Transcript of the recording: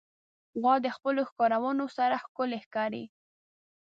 غوا د خپلو ښکرونو سره ښکلي ښکاري.